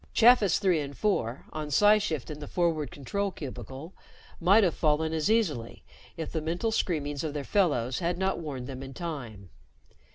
Chafis Three and Four, on psi shift in the forward control cubicle, might have fallen as easily if the mental screamings of their fellows had not warned them in time.